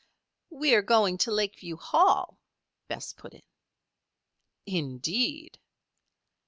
"We are going to Lakeview Hall," Bess put in. "Indeed?"